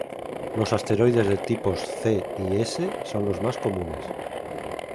Los asteroides de tipos C y S son los más comunes.